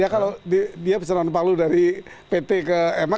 kalau dia bisa non palu dari pt ke ma